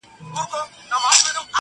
o لمبه دي نه کړم سپیلنی دي نه کړم ,